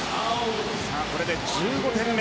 これで１５点目。